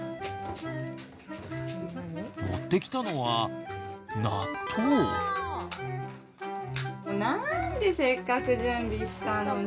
持ってきたのはなんでせっかく準備したのに。